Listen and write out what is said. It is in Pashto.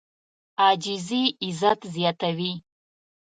عاجزي عزت زیاتوي.